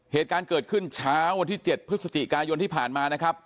เหตุการณ์เกิดขึ้นเช้าวันที่๗พฤศจิกายนที่ผ่านมานะครับ